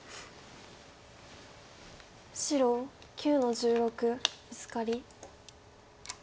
白９の十六ブツカリ。